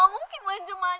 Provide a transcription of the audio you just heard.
aku mau pergi kemana mana